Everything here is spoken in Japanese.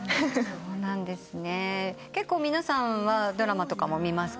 そうなんですね。